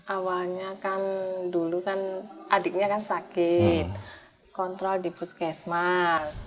awalnya kan dulu kan adiknya kan sakit kontrol di puskesmas